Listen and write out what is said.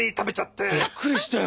びっくりしたよ。